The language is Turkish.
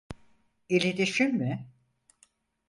İletişim mi?